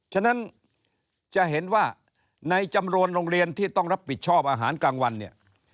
ฉะนั้นจะเห็นว่าในจำนวนโรงเรียนที่ต้องรับผิดชอบอาหารกลางวันเนี่ย